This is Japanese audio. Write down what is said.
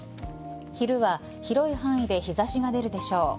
昼は広い範囲で日差しが出るでしょう。